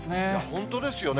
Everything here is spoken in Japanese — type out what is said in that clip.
本当ですよね。